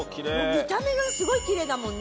見た目がすごいきれいだもんね。